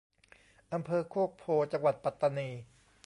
อำเภอโคกโพธิ์ จังหวัดปัตตานี